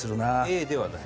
Ａではない？